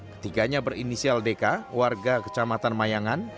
ketiganya berinisial deka warga kecamatan mayangan